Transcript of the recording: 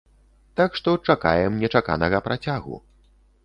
Так што, чакаем нечаканага працягу.